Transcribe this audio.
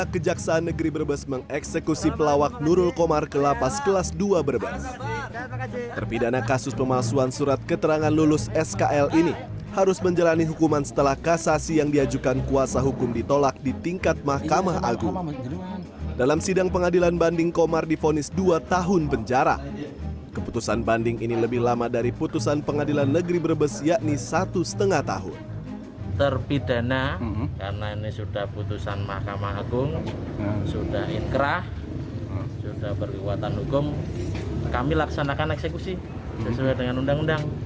karena ini sudah putusan mahkamah agung sudah inkrah sudah berkekuatan hukum kami laksanakan eksekusi sesuai dengan undang undang